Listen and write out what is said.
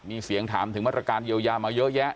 มีเสียงถามถึงมาตรการเยียวยามาเยอะแยะ